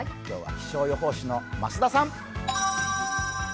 今日は気象予報士の増田さん。